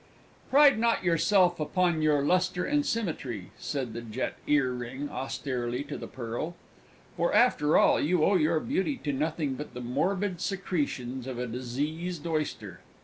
"Pride not yourself upon your Lustre and Symmetry," said the Jet Ear ring austerely to the Pearl, "for, after all, you owe your beauty to nothing but the morbid secretions of a Diseased Oyster!"